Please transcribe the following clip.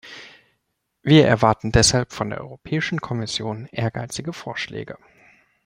Wir erwarten deshalb von der Europäischen Kommission ehrgeizige Vorschläge.